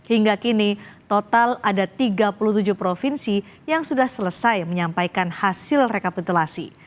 hingga kini total ada tiga puluh tujuh provinsi yang sudah selesai menyampaikan hasil rekapitulasi